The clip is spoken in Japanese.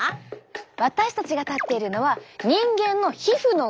私たちが立っているのは人間の皮膚の上。